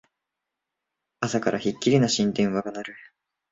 朝からひっきりなしに電話が鳴る